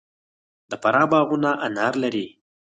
د فراه باغونه انار لري.